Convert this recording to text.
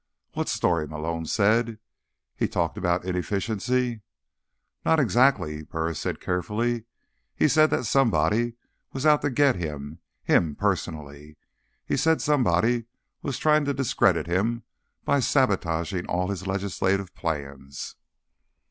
"What story?" Malone said. "He talked about inefficiency—" "Not exactly," Burris said carefully. "He said that somebody was out to get him—him, personally. He said somebody was trying to discredit him by sabotaging all his legislative plans."